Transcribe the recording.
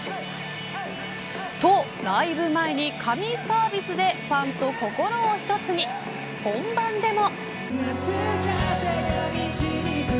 と、ライブ前に神サービスでファンと心を一つに本番でも。